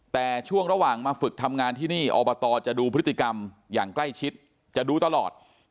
แต่ช่วงระหว่างมาฝึกทำงานที่นี่อบตจะดูพฤติกรรมอย่างใกล้ชิดจะดูตลอด